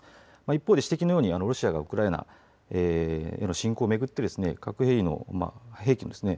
一方で指摘のようにロシアがウクライナへの侵攻を巡って核兵器のですね